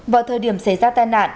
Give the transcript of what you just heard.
vào thời điểm xảy ra tai nạn